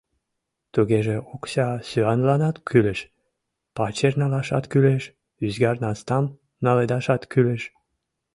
Тугеже окса сӱанланат кӱлеш, пачер налашат кӱлеш, ӱзгар-настам наледашат кӱлеш.